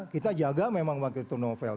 kita jaga memang waktu itu novel